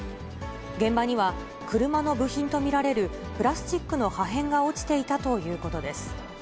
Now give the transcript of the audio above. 現場には車の部品と見られるプラスチックの破片が落ちていたということです。